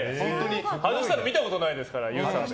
外したの見たことないですからユウ・サワベ。